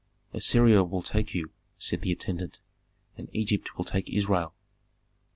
"'Assyria will take you,' said the attendant, 'and Egypt will take Israel.